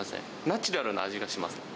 ナチュラルな味がします。